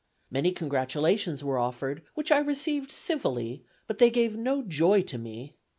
Many congratulations were offered, which I received civilly, but they gave no joy to me.